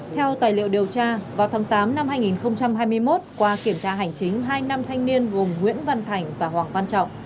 theo tài liệu điều tra vào tháng tám năm hai nghìn hai mươi một qua kiểm tra hành chính hai nam thanh niên gồm nguyễn văn thành và hoàng văn trọng